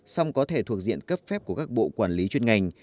song có thể thuộc diện cấp phép của các bộ quản lý chuyên ngành